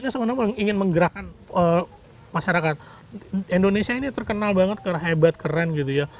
ini sebenarnya ingin menggerakkan masyarakat indonesia ini terkenal banget hebat keren gitu ya